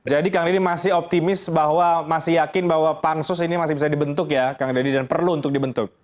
jadi kang dedy masih optimis bahwa masih yakin bahwa pansus ini masih bisa dibentuk ya kang dedy dan perlu untuk dibentuk